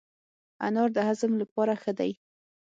انار د هضم لپاره ښه دی.